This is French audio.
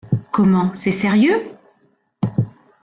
Comment, c’est sérieux?...